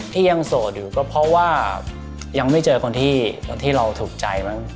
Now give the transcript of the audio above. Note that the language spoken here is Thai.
ที่ยังโสดอยู่ก็เพราะว่ายังไม่เจอคนที่เราถูกใจมั้ง